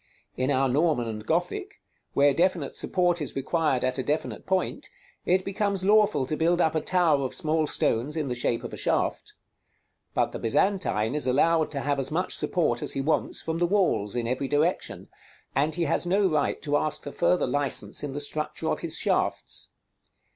In our Norman and Gothic, where definite support is required at a definite point, it becomes lawful to build up a tower of small stones in the shape of a shaft. But the Byzantine is allowed to have as much support as he wants from the walls in every direction, and he has no right to ask for further license in the structure of his shafts.